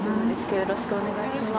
よろしくお願いします。